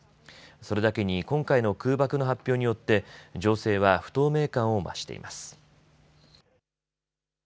それだけに今回の空爆の発表によって情勢は不透明感を増しています。